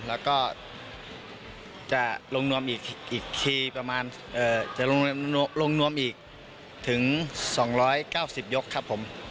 แล้วก็จะลงนวมอีกอีกทีประมาณเอ่อจะลงนวมอีกถึงสองร้อยเก้าสิบยกครับผม